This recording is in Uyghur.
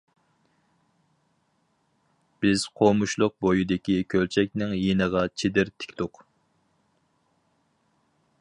بىز قومۇشلۇق بويىدىكى كۆلچەكنىڭ يېنىغا چېدىر تىكتۇق.